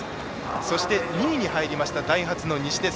そして、２位に入りましたダイハツの西出。